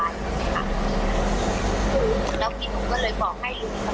ให้รอบุรอประกันขึ้นดินกว่า